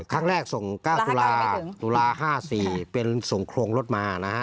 ครั้งแรกส่ง๙ตุลาตุลา๕๔เป็นส่งโครงรถมานะฮะ